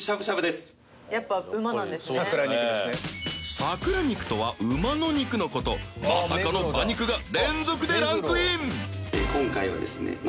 桜肉とは馬の肉のことまさかの馬肉が連続でランクイン酒井）